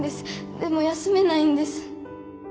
でも休めないんです。